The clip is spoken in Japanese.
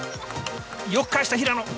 よく返した、平野。